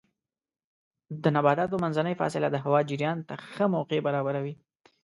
د نباتاتو منځنۍ فاصله د هوا جریان ته ښه موقع برابروي.